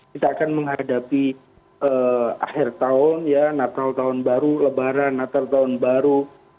kita akan menghadapi akhir tahun ya natal tahun baru lebaran natal tahun baru